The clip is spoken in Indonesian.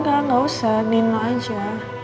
ya gak usah nino aja